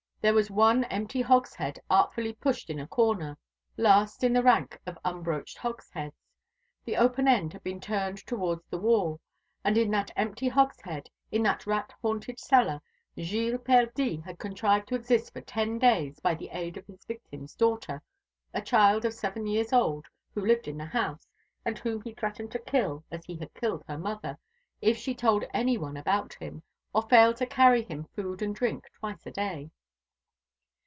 There was one empty hogshead, artfully pushed in a corner, last in the rank of unbroached hogsheads. The open end had been turned towards the wall, and in that empty hogshead, in that rat haunted cellar, Gilles Perdie had contrived to exist for ten days, by the aid of his victim's daughter, a child of seven years old, who lived in the house, and whom he threatened to kill as he had killed her mother, if she told any one about him, or failed to carry him food and drink twice a day.